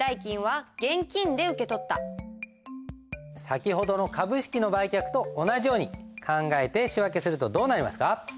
先ほどの株式の売却と同じように考えて仕訳するとどうなりますか？